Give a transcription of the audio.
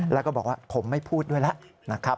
แล้วก็บอกว่าผมไม่พูดด้วยล่ะ